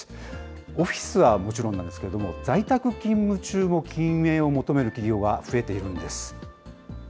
オフィスはもちろんなんですけれども、在宅勤務中も禁煙を求める企業が増えているんです。